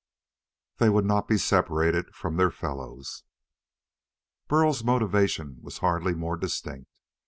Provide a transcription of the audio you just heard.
They would not be separated from their fellows. Burl's motivation was hardly more distinct.